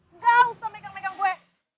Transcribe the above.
nggak usah megang megang gue